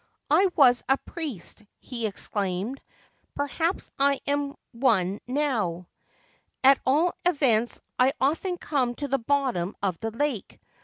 ' I was a priest,' he explained. ' Perhaps I am on now. At all events, I often come to the bottom of th lake.